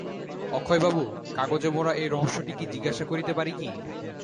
অক্ষয়বাবু, কাগজে-মোড়া এই রহস্যটি কী জিজ্ঞাসা করিতে পারি কি?